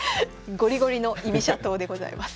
ゴリゴリの居飛車党でございます。